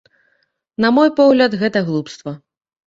На мой погляд, гэта глупства.